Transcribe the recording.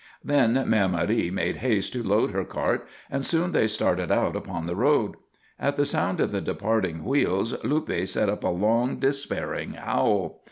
Then Mère Marie made haste to load her cart, and soon they started out upon the road. At the sound of the departing wheels Luppe set up a long, despairing howl.